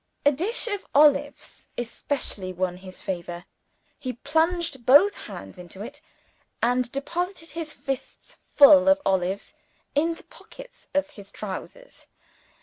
A dish of olives especially won his favor. He plunged both hands into it, and deposited his fists full of olives in the pockets of his trousers.